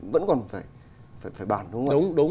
vẫn còn phải bàn